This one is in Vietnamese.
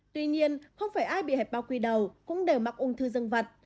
tuy nhiên không phải ai bị hẹp bao quy đầu cũng đều mắc ung thư dân vật